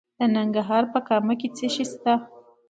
د ننګرهار په کامه کې څه شی شته؟